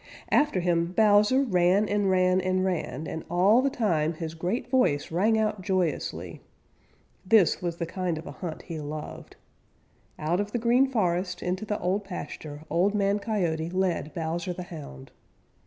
After him Bowser ran and ran and ran, and all the time his great voice rang out joyously. This was the kind of a hunt he loved. Out of the Green Forest into the Old Pasture, Old Man Coyote led Bowser the Hound.